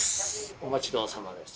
お待ちどおさまです。